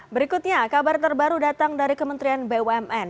berikutnya kabar terbaru datang dari kementerian bumn